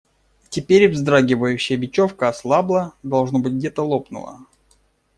Теперь вздрагивающая бечевка ослабла – должно быть, где-то лопнула.